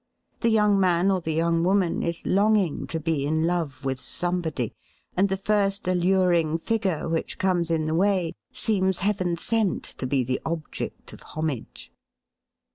The young man or the young woman is longing to be in love with somebody, and the first alluring figure which comes in the way seems heaven sent to be the object of homage.